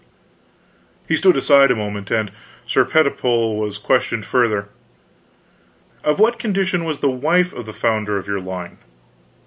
He stood aside a moment, and Sir Pertipole was questioned further: "Of what condition was the wife of the founder of your line?"